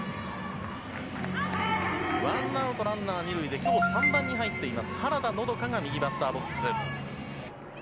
ワンアウトランナー２塁できょう、３番に入っています、原田のどかが右バッターボックス。